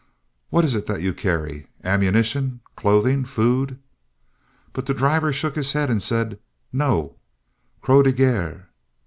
What is it that you carry ammunition, clothing, food?' But the driver shook his head and said, 'No; Croix de Guerre.'"